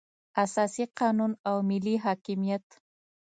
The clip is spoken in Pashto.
اساسي قانون او ملي حاکمیت.